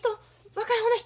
若い方の人？